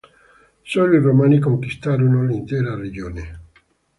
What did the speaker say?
Solo i Romani conquistarono l'intera regione.